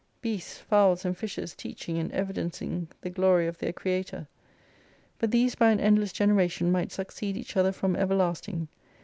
Beasts, fowls, and fishes teaching and evidencing the glory of their creator. But these by an endless generation might succeed each other from everlasting.